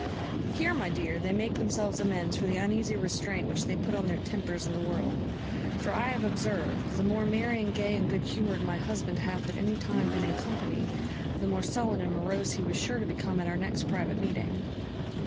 Here, my dear, they make themselves amends for the uneasy restraint which they put on their tempers in the world; for I have observed, the more merry and gay and good humoured my husband hath at any time been in company, the more sullen and morose he was sure to become at our next private meeting.